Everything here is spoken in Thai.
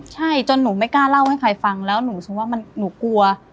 ใช่จนหนูไม่กล้าเล่าให้ใครฟังแล้วหนูรู้สึกว่าหนูกลัว